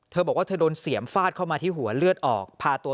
เธอบอกว่าเธอโดนเสียมฟาดเข้ามาที่หัวเลือดออกพาตัว